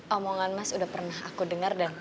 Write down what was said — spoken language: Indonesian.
omongan mas udah pernah aku dengar dan